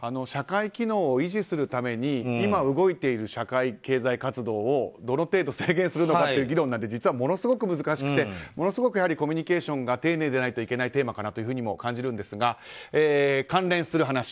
社会機能を維持するために今、動いている社会経済活動をどの程度制限するのかという議論は実はものすごく難しくてものすごく、やはりコミュニケーションが丁寧でないといけないテーマかなとも感じるんですが関連する話。